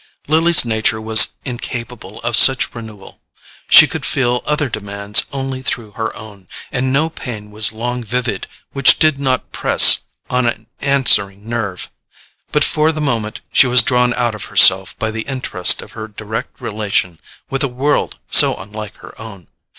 Lily's nature was incapable of such renewal: she could feel other demands only through her own, and no pain was long vivid which did not press on an answering nerve. But for the moment she was drawn out of herself by the interest of her direct relation with a world so unlike her own.